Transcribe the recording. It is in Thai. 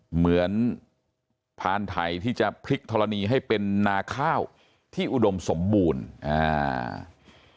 เหมือนพานไทยที่จะพลิกธรณีให้เป็นนาข้าวที่อุดมสมบูรณ์อ่า